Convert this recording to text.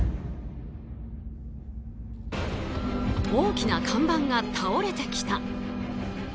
大きな看板が倒れてきた。